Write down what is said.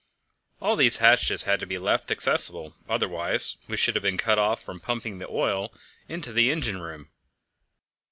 All these hatches had to be left accessible, otherwise we should have been cut off from pumping the oil into the engine room.